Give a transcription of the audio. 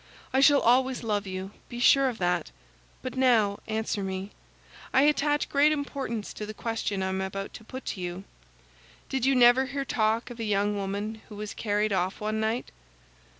I shall always love you; be sure of that. But now answer me. I attach great importance to the question I am about to put to you. Did you never hear talk of a young woman who was carried off one night?"